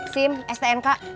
sim stn kak